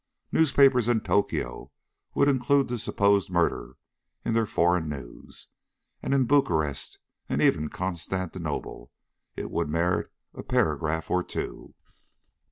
Newspapers in Tokio would include the supposed murder in their foreign news, and in Bucharest and even Constantinople it would merit a paragraph or two.